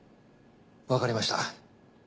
わかりました。